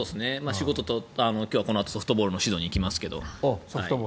仕事と、今日はこのあとソフトボールの指導に行きますけど。